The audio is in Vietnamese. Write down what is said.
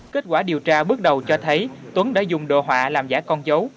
kết quả điều tra bước đầu cho thấy tuấn đã dùng đồ họa làm giả con dấu